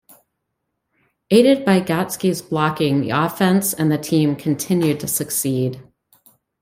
Aided by Gatski's blocking, the offense and the team continued to succeed.